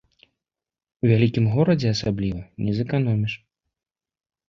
У вялікім горадзе асабліва не зэканоміш.